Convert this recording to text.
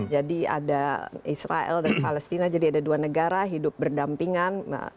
jadi ada israel dan palestina jadi ada dua negara hidup berdampingan